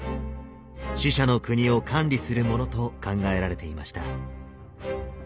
死者の国を管理するものと考えられていました。